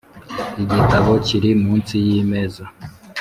igitabo kiri munsi yimeza.